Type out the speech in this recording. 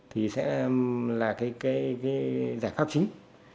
thì sẽ là cái giải pháp chính